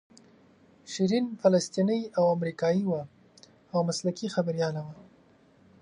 شیرین فلسطینۍ او امریکایۍ وه او مسلکي خبریاله وه.